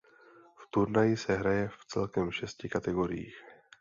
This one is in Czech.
V turnaji se hraje v celkem šesti kategoriích.